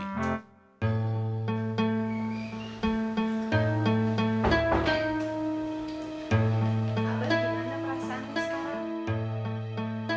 abah gimana perasaan lu sekarang